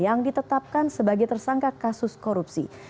yang ditetapkan sebagai tersangka kasus korupsi